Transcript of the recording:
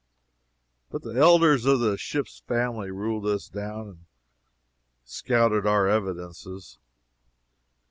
But the elders of the ship's family ruled us down and scouted our evidences.